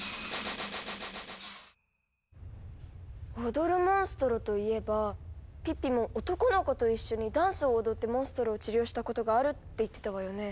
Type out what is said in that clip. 踊るモンストロといえばピッピも男の子と一緒にダンスを踊ってモンストロを治療したことがあるって言ってたわよね。